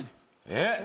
えっ？